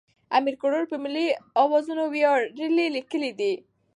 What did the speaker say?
امیر کروړ په ملي اوزانو ویاړنې لیکلې دي.